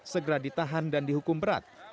segera ditahan dan dihukum berat